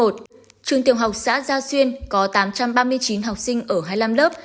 trường tiểu học xã gia xuyên có tám trăm ba mươi chín học sinh ở hai mươi năm lớp